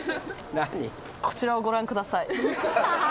こちらをご覧ください。